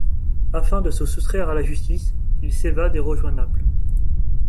Afin de se soustraire à la justice, il s'évade et rejoint Naples.